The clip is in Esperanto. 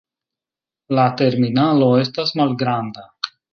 La terminalo estas malgranda.